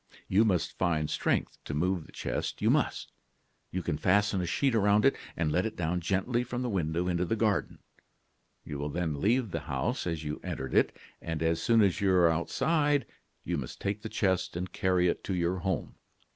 You must find strength to move the chest you must. You can fasten a sheet around it and let it down gently from the window into the garden. You will then leave the house as you entered it, and as soon as you are outside, you must take the chest and carry it to your home.